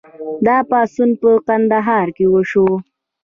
دا پاڅون په کندهار کې وشو.